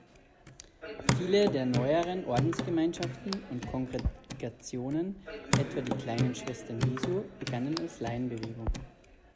Viele der neueren Ordensgemeinschaften und Kongregationen, etwa die Kleinen Schwestern Jesu, begannen als Laienbewegung.